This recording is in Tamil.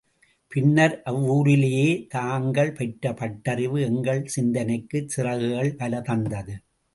பின்னர், அவ்வூரிலேயே தாங்கள் பெற்ற பட்டறிவு எங்கள் சிந்தனைக்குச் சிறகுகள் பல தந்தது.